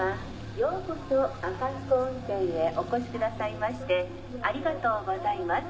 ようこそ阿寒湖温泉へお越しくださいましてありがとうございます。